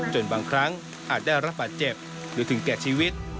จนบางครั้งอาจได้รับบาดเจ็บหรือถึงแก่ชีวิต